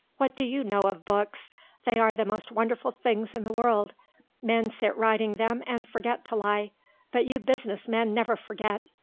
What do you know of books? They are the most wonderful things in the world. Men sit writing them and forget to lie, but you business men never forget.